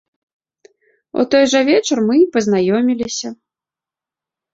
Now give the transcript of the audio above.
У той жа вечар мы і пазнаёміліся.